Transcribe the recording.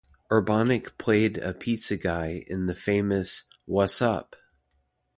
Urbaniak played a pizza guy in the famous Whassup?